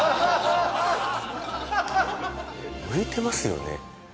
向いてますよね